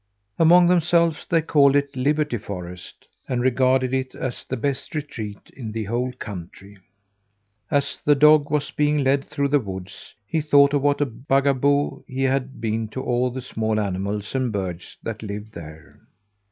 Among themselves they called it Liberty Forest, and regarded it as the best retreat in the whole country. As the dog was being led through the woods he thought of what a bugaboo he had been to all the small animals and birds that lived there.